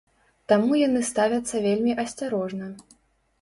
Таму яны ставяцца вельмі асцярожна.